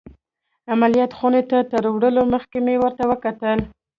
عمليات خونې ته تر وړلو مخکې مې ورته وکتل.